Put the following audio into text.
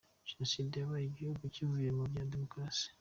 Jenoside yabaye igihugu kivuye mu bya demokarasi.